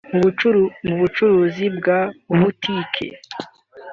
Mu bucuruzi bwa butiki